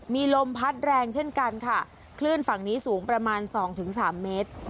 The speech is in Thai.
มีลมพัดแรงเช่นกันค่ะลื่นฝั่งนี้สูงประมาณ๒๓เมตร